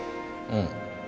うん。